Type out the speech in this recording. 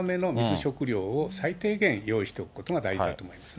食料を最低限用意しておくことが大事だと思いますね。